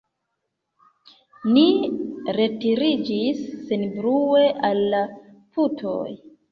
Ni retiriĝis senbrue al la putoj.